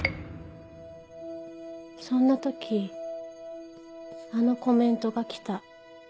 そんな時あのコメントが来た。